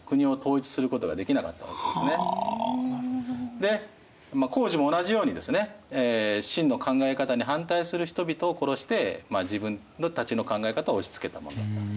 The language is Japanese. でまあ坑儒も同じようにですね秦の考え方に反対する人々を殺して自分たちの考え方を押しつけたものだったんですね。